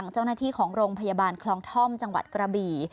เจ้าหน้าที่ของโรงพยาบาลคลองท่อมจังหวัดกระบี่